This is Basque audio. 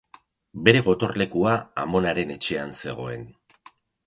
Bere gotorlekua amonaren etxean zegoen.